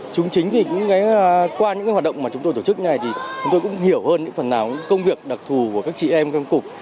chúng chính vì những cái hoạt động mà chúng tôi tổ chức như thế này thì chúng tôi cũng hiểu hơn những phần nào công việc đặc thù của các chị em trong cục